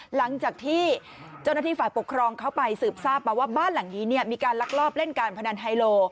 หลังจากที่เจ้าหน้าที่ฝ่ายปกครองเข้าไปสืบทราบมาว่าบ้านหลังนี้มีการลักลอบเล่นการพนันไฮโล